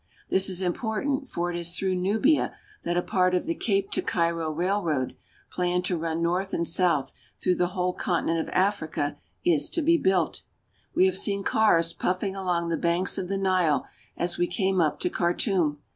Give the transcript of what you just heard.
This is important, for it is through Nubia that a part of the Cape to Cairo Railroad, A port on the upper Nile. planned to run north and south through the whole conti nent of Africa, is to be built. We have seen cars puffing along the banks of the Nile as we came up to Khartum.